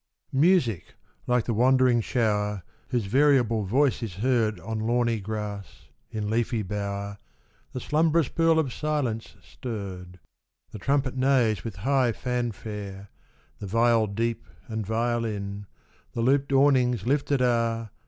PORPHYRO. IV yirSIC, like the wandering shower, ■^'■'• Whose variable voice is heard On lawny grass, in leafy bower, The slumbrous pool of silence stirred. The trumpet neighs with high fanfare, The viol deep and violin ; The looped awnings lifted are.